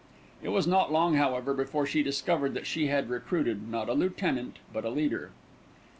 It was not long, however, before she discovered that she had recruited, not a lieutenant, but a leader.